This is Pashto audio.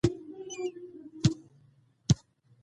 ښایست د زړه موسکا ده